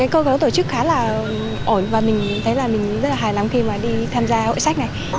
cơ hội tổ chức khá là ổn và mình thấy rất là hài lòng khi đi tham gia hội sách này